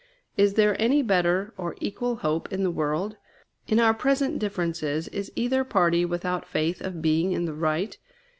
Is there any better or equal hope in the world? In our present differences is either party without faith of being in the right?